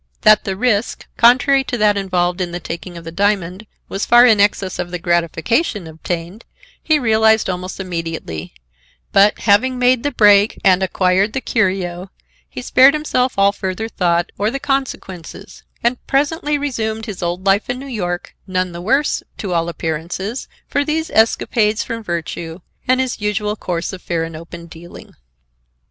That the risk, contrary to that involved in the taking of the diamond, was far in excess of the gratification obtained, he realized almost immediately, but, having made the break, and acquired the curio, he spared himself all further thought or the consequences, and presently resumed his old life in New York, none the worse, to all appearances, for these escapades from virtue and his usual course of fair and open dealing.